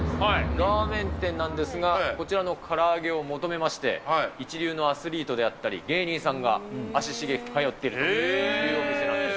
ラーメン店なんですが、こちらのから揚げを求めまして、一流のアスリートであったり、芸人さんが足しげく通っているというお店なんです。